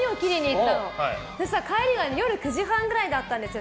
そしたら帰り夜９時半くらいだったんですよ。